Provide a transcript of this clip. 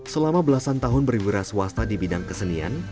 selama belasan tahun berwira swasta di bidang kesenian